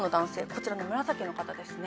こちらの紫の方ですね。